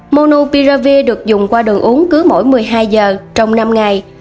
monopiravir được dùng qua đường uống cứ mỗi một mươi hai giờ trong năm ngày